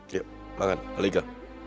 yuk makan alika